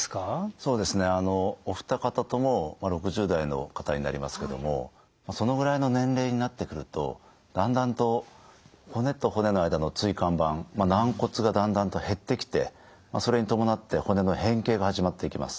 そうですねお二方とも６０代の方になりますけどもそのぐらいの年齢になってくるとだんだんと骨と骨の間の椎間板軟骨がだんだんと減ってきてそれに伴って骨の変形が始まってきます。